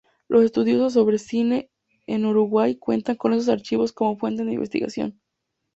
Los estudios sobre cine en Uruguay cuentan con estos archivos como fuente de investigación.